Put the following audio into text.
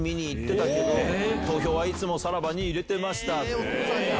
ええお父さんや。